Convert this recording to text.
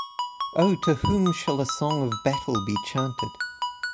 Oh, to whom shall a song of battle be chanted?